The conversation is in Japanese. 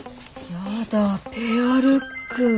やだペアルック。